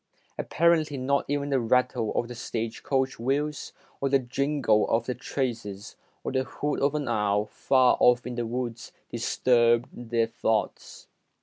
Apparently not even the rattle of the stage coach wheels, or the jingle of the traces, or the hoot of an owl far off in the woods, disturbed their thoughts.